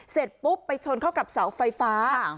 เสร็จปุ๊บไปชนเข้ากับเสาไฟฟ้า